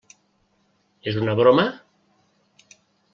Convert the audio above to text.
És una broma?